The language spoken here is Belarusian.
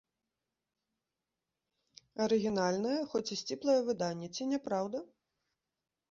Арыгінальнае, хоць і сціплае выданне, ці не праўда?